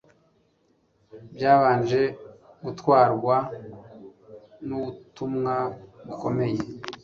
Byabanje gutwarwa nubutumwa bukomeye